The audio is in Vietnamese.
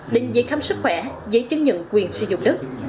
đến giấy khám sức khỏe giấy chứng nhận quyền sử dụng đất